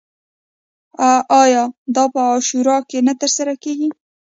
آیا دا په عاشورا کې نه ترسره کیږي؟